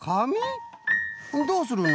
どうするの？